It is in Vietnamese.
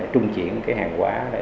trung chuyển hàng quá